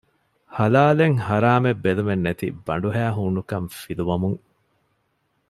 ޙަލާލެއް ޙަރާމެއް ބެލުމެއްނެތި ބަނޑުހައި ހޫނުކަން ފިލުވަމުން